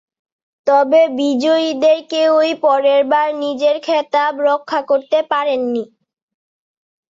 তবে বিজয়ীদের কেউই পরের বার নিজের খেতাব রক্ষা করতে পারেননি।